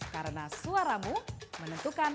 karena suaramu menentukan